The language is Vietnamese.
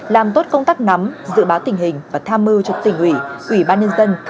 làm tốt công tác nắm dự báo tình hình và tham mưu cho tỉnh ủy ủy ban nhân dân